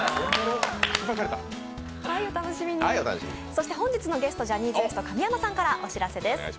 そして本日のゲスト、ジャニーズＷＥＳＴ、神山さんからお知らせです。